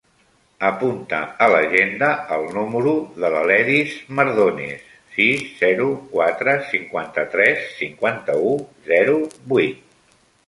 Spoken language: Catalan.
Apunta a l'agenda el número de l'Aledis Mardones: sis, zero, quatre, cinquanta-tres, cinquanta-u, zero, vuit.